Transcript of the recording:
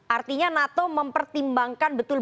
artinya nato mempertimbangkan betul